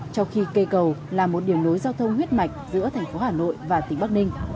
trong khi cây cầu là một điểm nối giao thông huyết mạch giữa thành phố hà nội và tỉnh bắc ninh